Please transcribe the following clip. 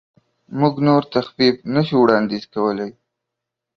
موږ نور تخفیف نشو وړاندیز کولی.